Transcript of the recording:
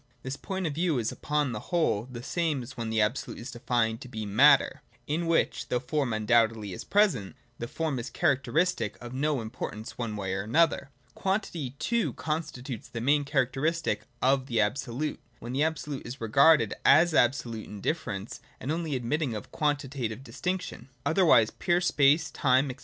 This point of view is upon the whole the same as when the Absolute is defined to be Matter, in which, though form undoubtedly is present, the form is a characteristic of no importance one way or another. Quantity too constitutes the main charac teristic of the Absolute, when the Absolute is regarded as absolute indifference, and only admitting of quanti tative distinction. — Otherwise pure space, time, &c.